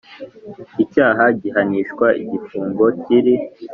Icyaha gihanishwa igifungo kiri